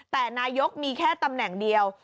แต่นายกมีแค่ตำแหน่งเดียว